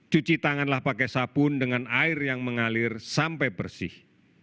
cuci tanganlah pakai sabun dengan air yang mengalir sampai bersih